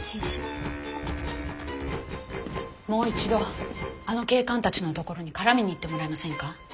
もう一度あの警官たちのところに絡みに行ってもらえませんか？